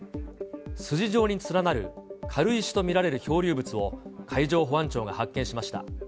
筋状に連なる軽石と見られる漂流物を、海上保安庁が発見しました。